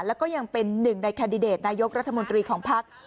แล้วก็ยังเป็นหนึ่งในแคนดิเดตนายกรัฐมนตรีของภักดิ์